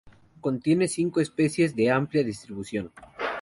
Contiene cinco especies de amplia distribución.